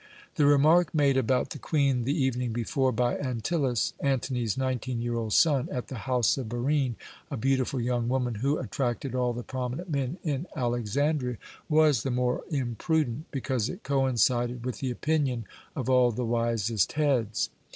The remark made about the Queen the evening before by Antyllus, Antony's nineteen year old son, at the house of Barine, a beautiful young woman who attracted all the prominent men in Alexandria, was the more imprudent because it coincided with the opinion of all the wisest heads.